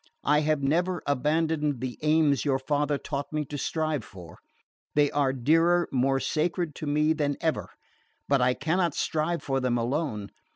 I have never abandoned the aims your father taught me to strive for; they are dearer, more sacred to me than ever; but I cannot strive for them alone.